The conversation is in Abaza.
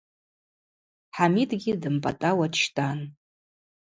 Хӏамидгьи дымпӏатӏауа дщтӏан.